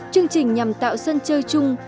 chương trình nhằm tạo sân chơi chung